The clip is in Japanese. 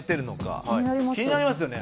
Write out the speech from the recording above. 気になりますよね？